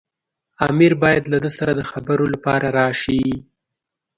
امیر باید له ده سره د خبرو لپاره راشي.